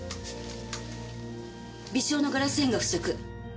微少のガラス片が付着。